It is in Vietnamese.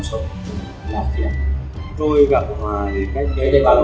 tôi với hỏa thì tình trời gặp nhau ở một cục chợ tại huyện bình yên